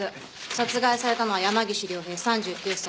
殺害されたのは山岸凌平３９歳。